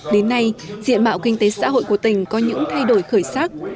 đến nay diện mạo kinh tế xã hội của tỉnh có những thay đổi khởi sắc